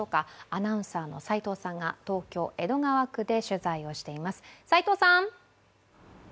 アナウンサーの齋藤さんが東京・江戸川区で取材をしています。